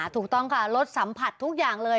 ถูกต้องค่ะรสสัมผัสทุกอย่างเลย